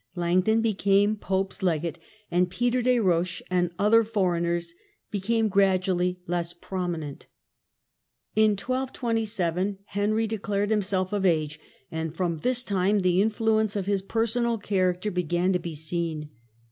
Langton became pope's legate, and Peter des Roches and the other foreigners became gradu ally less prominent. In 1227 Henry declared himself of age, and from this time the influence of his personal character began to be seen.